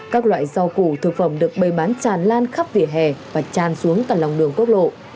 các loại rau củ thực phẩm được bày bán tràn lan khắp vỉa hè và tràn xuống cả lòng đường quốc lộ